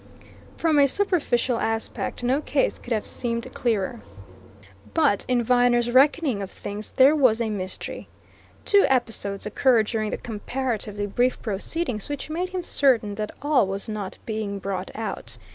From a superficial aspect, no case could have seemed clearer. But in Viner's reckoning of things there was mystery. Two episodes occurred during the comparatively brief proceedings which made him certain that all was not being brought out.